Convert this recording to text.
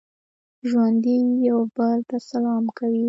ژوندي یو بل ته سلام کوي